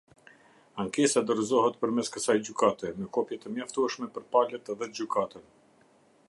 Ankesa dorëzohet përmes kësaj Gjykate, në kopje të mjaftueshme për palët dhe Gjykatën.